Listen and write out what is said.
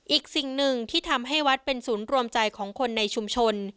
อีกสิ่งหนึ่งที่ทำให้วัดเป็นศูนย์รวมใจของคนในชุมชน